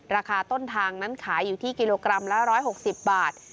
ราคาต้นทางนั้นขายอยู่ที่กิโลกรัมละ๑๖๐บาท